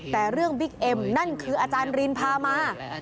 แต่เรื่องบิ๊กเอ็มนั่นคืออาจารย์รินพามา